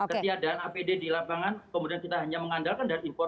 ketiadaan apd di lapangan kemudian kita hanya mengandalkan dari impor